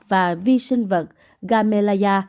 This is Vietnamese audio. và vi sinh vật gamelaya